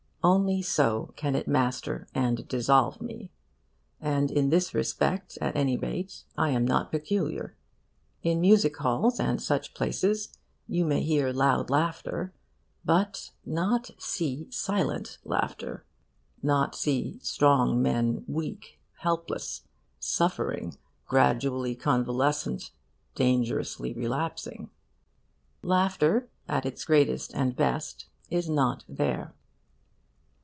Only so can it master and dissolve me. And in this respect, at any rate, I am not peculiar. In music halls and such places, you may hear loud laughter, but not see silent laughter, not see strong men weak, helpless, suffering, gradually convalescent, dangerously relapsing. Laughter at its greatest and best is not there.